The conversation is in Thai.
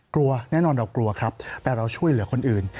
กลัวแน่นอนเรากลัวครับแต่เราช่วยเหลือคนอื่น